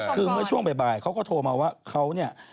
คือเมื่อช่วงบ่ายเขาก็โทรมาว่าเขาเนี่ย